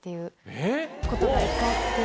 えっ？ことが１回あって。